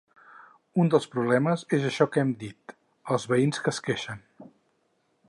Un dels problemes és això que hem dit: els veïns que es queixen.